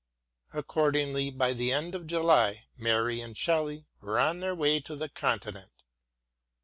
Accordingly by the end of July Mary and Shelley were on their way to the Continent.